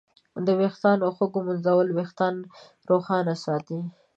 د ویښتانو ښه ږمنځول وېښتان روښانه ساتي.